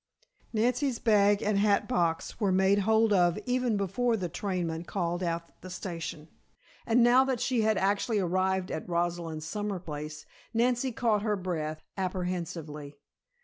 Nancy's bag and hat box were made hold of even before the trainman called out the station, and now that she had actually arrived at Rosalind's summer place, Nancy caught her breath, apprehensively.